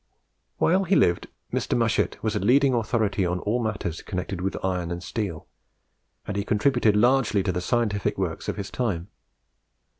While he lived, Mr. Mushet was a leading authority on all matters connected with Iron and Steel, and he contributed largely to the scientific works of his time.